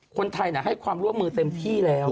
คนไทยให้ความร่วมมือเต็มที่แล้ว